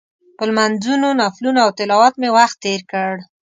په لمونځونو، نفلونو او تلاوت مې وخت تېر کړ.